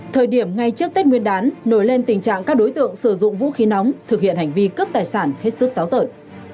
thời điểm ngay trước tết nguyên đán nổi lên tình trạng các đối tượng sử dụng vũ khí nóng thực hiện hành vi cướp tài sản hết sức táo tợn